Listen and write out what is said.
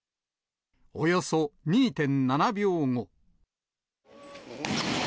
およそ２．７秒後。